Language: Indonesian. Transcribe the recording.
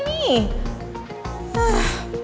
ini dia mah